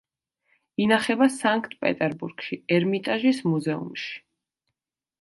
ინახება სანქტ-პეტერბურგში, ერმიტაჟის მუზეუმში.